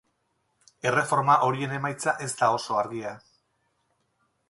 Erreforma horien emaitza ez da oso argia.